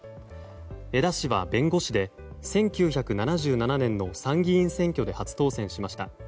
江田氏は、弁護士で１９７７年の参議院選挙で初当選しました。